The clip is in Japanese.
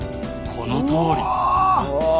このとおり。